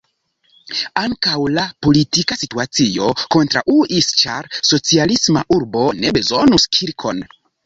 Ankaŭ la politika situacio kontraŭis, ĉar "socialisma urbo ne bezonus kirkon"!